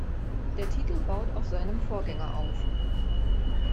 Der Titel baut auf seinem Vorgänger auf.